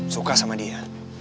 suka sama dia